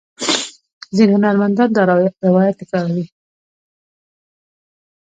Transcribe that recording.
ځینې هنرمندان دا روایت تکراروي.